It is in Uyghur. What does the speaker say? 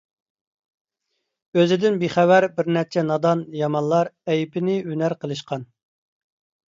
ئۆزىدىن بىخەۋەر بىرنەچچە نادان، يامانلار ئەيىبىنى ھۈنەر قىلىشقان.